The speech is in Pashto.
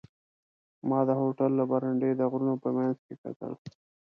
ما د هوټل له برنډې د غرونو په منځ کې کتل.